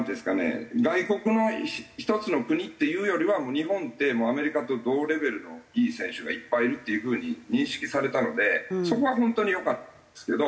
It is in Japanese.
外国の１つの国っていうよりは日本ってアメリカと同レベルのいい選手がいっぱいいるっていう風に認識されたのでそこは本当によかったんですけど。